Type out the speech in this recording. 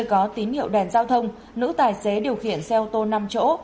có tín hiệu đèn giao thông nữ tài xế điều khiển xe ô tô năm chỗ